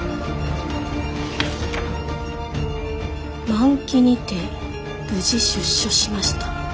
「満期にて無事出所しました。